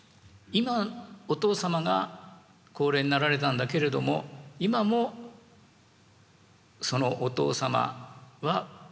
今お父様が高齢になられたんだけれども今もそのお父様はお母様に恋をしていると。